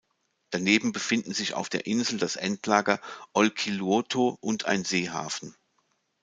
Daneben befinden sich auf der Insel das Endlager Olkiluoto und ein Seehafen.